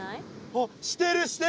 あっしてるしてる！